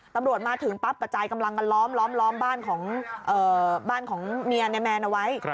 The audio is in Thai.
ตำรวจมาถึงปั๊บกระจายกำลังกันล้อมบ้านของบ้านของเมียในแมนเอาไว้